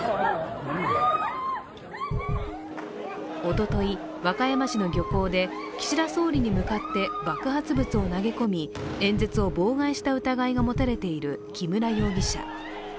おととい、和歌山市の漁港で岸田総理に向かって爆発物を投げ込み、演説を妨害した疑いが持たれている木村容疑者。